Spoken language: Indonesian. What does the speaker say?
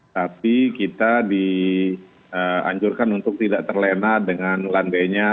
tapi kita dianjurkan untuk tidak terlena dengan landainya